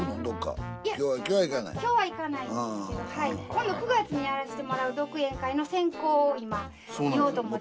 今度９月にやらしてもらう独演会の先行を今言おうと思ってて。